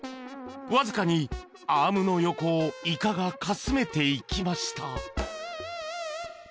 わずかにアームの横をイカがかすめていきました。